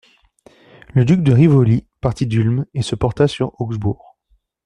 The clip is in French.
Le duc de Rivoli partit d'Ulm et se porta sur Augsbourg.